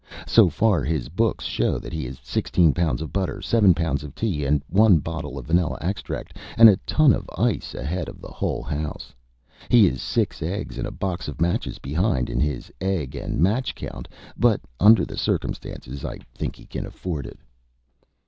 So far his books show that he is sixteen pounds of butter, seven pounds of tea, one bottle of vanilla extract, and a ton of ice ahead of the whole house. He is six eggs and a box of matches behind in his egg and match account, but under the circumstances I think he can afford it."